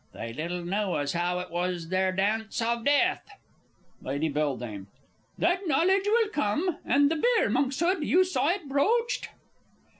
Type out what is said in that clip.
_) They little knoo as how it was their dance of death! Lady B. That knowledge will come! And the beer, Monkshood you saw it broached?